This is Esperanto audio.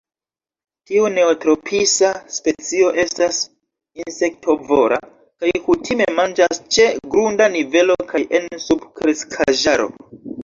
Tiu neotropisa specio estas insektovora kaj kutime manĝas ĉe grunda nivelo kaj en subkreskaĵaro.